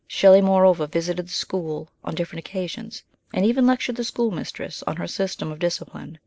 Shelley moreover visited the school on different occasions, and even lectured the schoolmistress on her system of dis cipline.